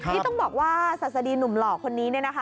นี่ต้องบอกว่าศาสดีหนุ่มหล่อคนนี้เนี่ยนะคะ